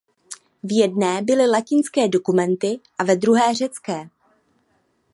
V jedné byly latinské dokumenty a ve druhé řecké.